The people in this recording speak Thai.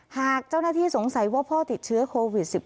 หากเจ้าหน้าที่สงสัยว่าพ่อติดเชื้อโควิด๑๙